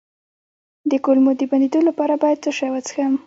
د کولمو د بندیدو لپاره باید څه شی وڅښم؟